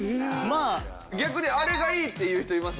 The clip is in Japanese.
逆にあれがいいっていう人います？